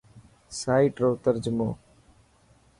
سائيٽ رو ترجمو.